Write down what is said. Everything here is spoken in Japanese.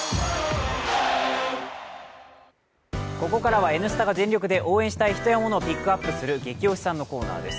ここからは「Ｎスタ」が全力で応援したい人やものをピックアップする「ゲキ推しさん」のコーナーです。